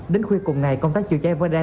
đến cuối cùng ngày công tác chữa cháy vơ đan